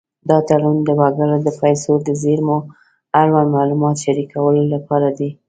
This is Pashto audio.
دا تړون د وګړو د پیسو د زېرمو اړوند معلومات شریکولو لپاره دی.